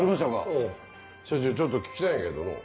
おぉ社長ちょっと聞きたいんやけどの。